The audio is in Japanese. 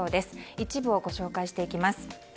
一部をご紹介していきます。